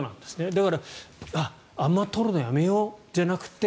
だからあまり取るのやめようじゃなくて